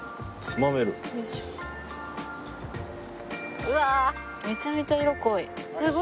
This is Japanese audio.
うわめちゃめちゃ色濃い。